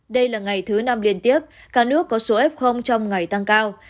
đây là ngày thứ năm liên tiếp cả nước có số f trong ngày tăng cao